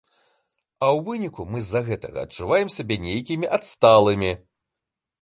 А ў выніку мы з-за гэтага адчуваем сябе нейкімі адсталымі.